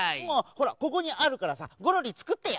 ほらここにあるからさゴロリつくってよ！